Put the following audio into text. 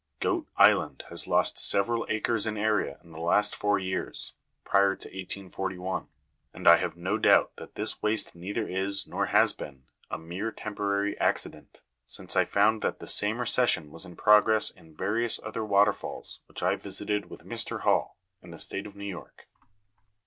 Goat Island has lost several acres in area in the last four years (prior to 1841) ; and I have no doubt that this waste neither is, nor has been, a mere temporary accident, since I found that the same recession was in progress in various other waterfalls which I visited with Mr. Hall, in the state of New York.